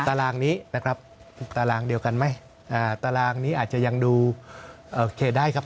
ตารางนี้นะครับตารางเดียวกันไหมอ่าตารางนี้อาจจะยังดูเอ่อเขตได้ครับ